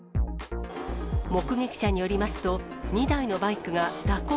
目撃者によりますと、２台のバイクが蛇行